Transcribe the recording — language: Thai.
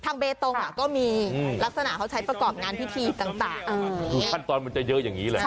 เบตงก็มีลักษณะเขาใช้ประกอบงานพิธีต่างคือขั้นตอนมันจะเยอะอย่างนี้แหละ